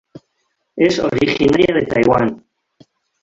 Es originaria de Taiwán.